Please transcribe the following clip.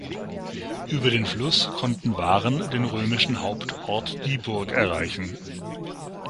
Über den Fluss konnten Waren den römischen Hauptort Dieburg erreichen.